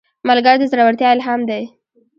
ملګری د زړورتیا الهام دی